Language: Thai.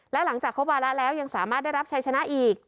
และหลังจากครบวาระแล้วยังสามารถได้รับชัยชนะอีก